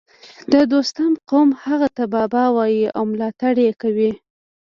د دوستم قوم هغه ته بابا وايي او ملاتړ یې کوي